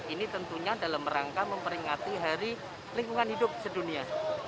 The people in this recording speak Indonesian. ini tentunya dalam rangka memperingati hari lingkungan hidup sedunia